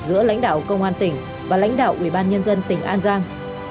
giữa lãnh đạo công an tỉnh và lãnh đạo ủy ban nhân dân tỉnh an giang